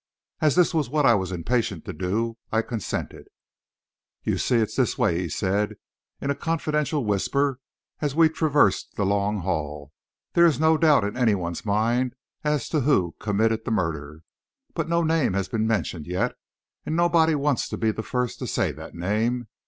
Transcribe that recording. As this was what I was impatient to do, I consented. "You see, it's this way," he said, in a confidential whisper, as we traversed the long hall: "there is no doubt in any one's mind as to who committed the murder, but no name has been mentioned yet, and nobody wants to be the first to say that name.